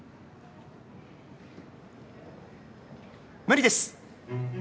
無理です。